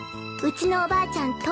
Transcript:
うちのおばあちゃん